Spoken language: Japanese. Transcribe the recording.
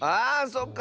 そっか。